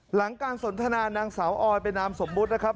หลังการสนทนานางสาวออยเป็นนามสมมุตินะครับ